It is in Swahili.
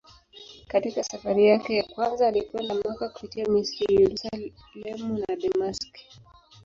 Katika safari yake ya kwanza alikwenda Makka kupitia Misri, Yerusalemu na Dameski.